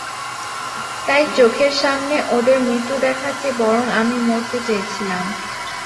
তাই চোখের সামনে ওদের মৃত্যু দেখার চেয়ে বরং আমি মরতে চেয়েছিলাম।